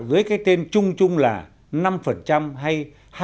với cái tên chung chung là năm hay năm mươi